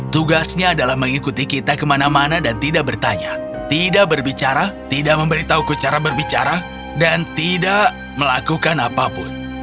tugasnya adalah mengikuti kita kemana mana dan tidak bertanya tidak berbicara tidak memberitahuku cara berbicara dan tidak melakukan apapun